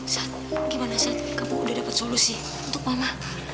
sat gimana sat kamu udah dapat solusi untuk mama